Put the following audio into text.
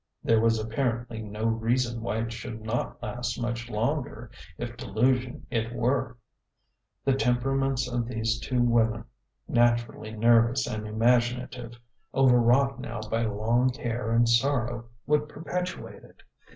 There was apparently no reason why it should not last much longer, if delusion it were ; the temperaments of these two women, naturally nervous and imaginative, overwrought now by long care and sorrow, would perpetuate it.